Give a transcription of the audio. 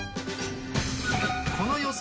この予想